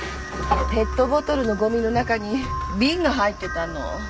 ペットボトルのごみの中に瓶が入ってたの。